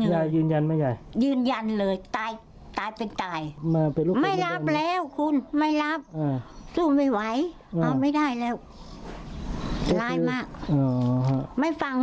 รู้จักเขาไหมยังไม่มีความฟัง